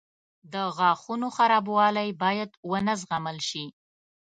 • د غاښونو خرابوالی باید ونه زغمل شي.